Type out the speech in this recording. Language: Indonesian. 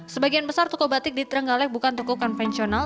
sebagian besar tuku batik di terenggalek bukan tuku konvensional